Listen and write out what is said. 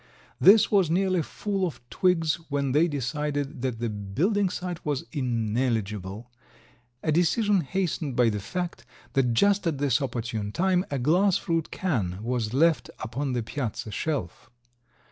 This was nearly full of twigs when they decided that the building site was ineligible, a decision hastened by the fact that just at this opportune time a glass fruit can was left upon the piazza shelf.